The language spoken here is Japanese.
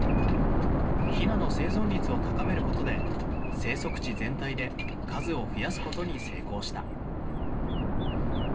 ひなの生存率を高めることで生息地全体で数を増やすことに成功した。